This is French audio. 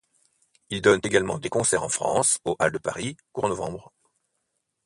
Ils donnent également des concerts en France, aux Halles de Paris, courant novembre.